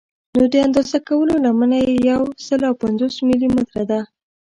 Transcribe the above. نو د اندازه کولو لمنه یې یو سل او پنځوس ملي متره ده.